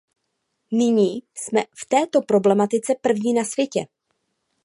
Nyní jsme v této problematice první na světě.